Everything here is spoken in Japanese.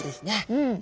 うん。